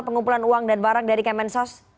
pengumpulan uang dan barang dari kemensos